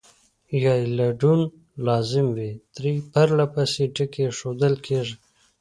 یا یې لنډون لازم وي درې پرلپسې ټکي اېښودل کیږي.